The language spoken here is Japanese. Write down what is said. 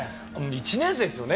１年生ですよね。